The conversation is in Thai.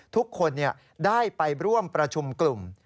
ทุกคนได้ไปร่วมประชุมกลุ่ม